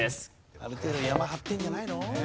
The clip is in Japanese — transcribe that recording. ある程度ヤマ張ってんじゃないの？